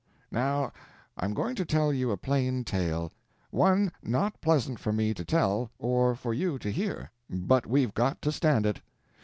"Now I am going to tell you a plain tale; one not pleasant for me to tell or for you to hear, but we've got to stand it.